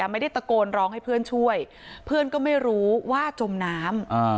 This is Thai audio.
ไม่ได้ตะโกนร้องให้เพื่อนช่วยเพื่อนก็ไม่รู้ว่าจมน้ำ